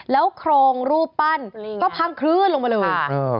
แล้วโครงรูปปั้นก็พังคลื่นลงมาเลย